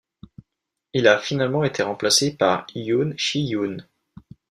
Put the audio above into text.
Il a finalement été remplacé par Yoon Shi-yoon.